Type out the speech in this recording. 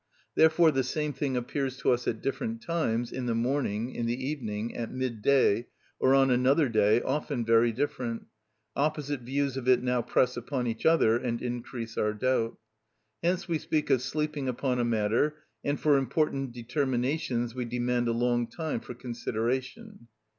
Therefore the same thing appears to us at different times, in the morning, in the evening, at mid day, or on another day, often very different; opposite views of it now press upon each other and increase our doubt. Hence we speak of sleeping upon a matter, and for important determinations we demand a long time for consideration.